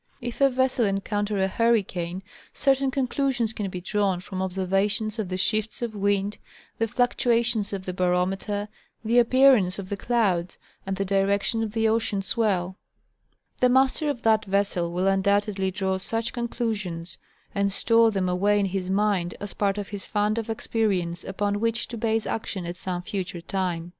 If a vessel encounter a hurricane, certain conclusions can be drawn from observations of the shifts of wind, the fluctuations of the barometer, the appearance of the clouds, and the direction of the ocean swell; the master of that vessel will undoubtedly draw such conclusions, and store them away in his mind as part of his fund of experience upon which to base action at some future time.